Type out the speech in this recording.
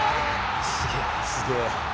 すげえ。